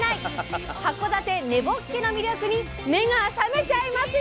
函館根ぼっけの魅力に目が覚めちゃいますよ。